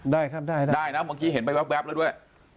ได้ครับได้ได้นะเมื่อกี้เห็นไปแว๊บแล้วด้วย